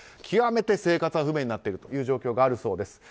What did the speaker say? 極めて生活が不便になっている状況があるそうです。